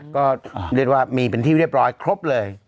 ก็เรียกว่ามีเป็นที่เรียบร้อยครบเลย